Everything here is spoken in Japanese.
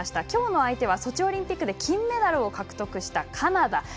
今日の相手はソチオリンピックで金メダルを獲得したカナダ。